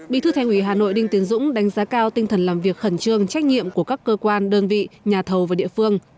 bí thư thành ủy hà nội đinh tiến dũng đánh giá cao tinh thần làm việc khẩn trương trách nhiệm của các cơ quan đơn vị nhà thầu và địa phương